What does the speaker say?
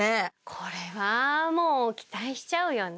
これはもう期待しちゃうよね